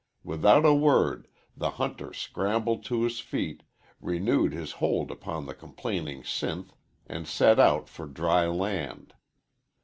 Without a word the hunter scrambled to his feet, renewed his hold upon the complaining Sinth, and set out for dry land.